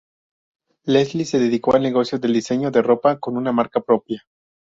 Leslie se dedicó al negocio del diseño de ropa, con una marca propia.